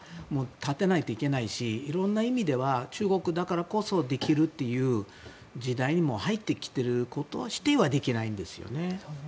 建てないといけないし色んな意味では中国だからこそできるという時代にもう入ってきていることは否定できないんですよね。